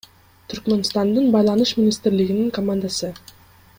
Түркмөнстандын Байланыш министрлигинин командасы.